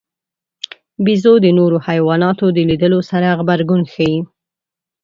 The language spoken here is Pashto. بیزو د نورو حیواناتو د لیدلو سره غبرګون ښيي.